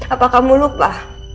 apakah kamu lupa